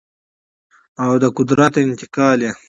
او د قدرت انتقال یې